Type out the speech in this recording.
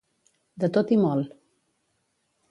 De tot i molt.